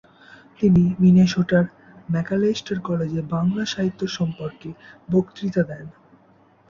তিনি মিনেসোটার ম্যাকালেস্টর কলেজে বাংলা সাহিত্য সম্পর্কে বক্তৃতা দেন।